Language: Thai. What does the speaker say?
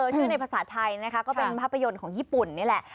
ชื่อในภาษาไทยนะคะก็เป็นภาพยนตร์ของญี่ปุ่นนี่แหละ